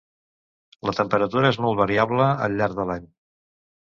La temperatura és molt variable al llarg de l'any.